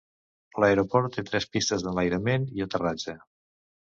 L'aeroport té tres pistes d'enlairament i aterratge.